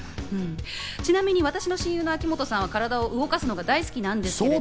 ちなみに私の親友の秋元さんは体を動かすのが大好きなんですけど。